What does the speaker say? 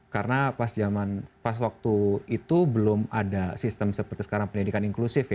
karena pas waktu itu belum ada sistem seperti sekarang pendidikan inklusif ya